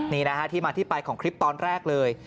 นี่นะฮะที่มาที่ไปของคลิปตอนแรกเลย